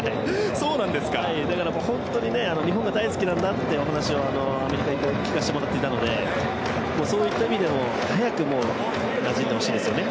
だから本当に日本が大好きなんだというお話をアメリカに行った時に聞かせてもらっていたのでそういった意味でも早くなじんでほしいですよね。